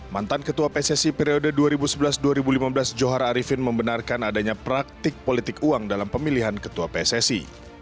mantan ketua pssi periode dua ribu sebelas dua ribu lima belas johar arifin membenarkan adanya praktik politik uang dalam pemilihan ketua pssi